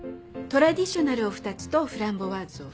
トラディショナルを２つとフランボワーズを２つ